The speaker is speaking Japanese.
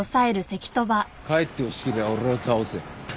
帰ってほしけりゃ俺を倒せ。